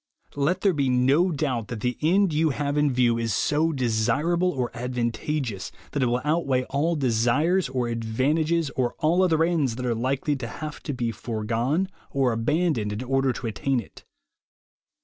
Let there be no doubt that the end you have in view is so desirable or advantageous that it will outweigh all desires or advantages or all other ends that are likely to have to be fore gone or abandoned in order to attain it.